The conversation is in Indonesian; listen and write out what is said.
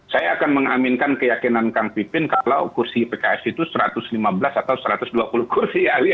saya akan mengaminkan keyakinan kang pipin kalau kursi pks itu satu ratus lima belas atau satu ratus dua puluh kursi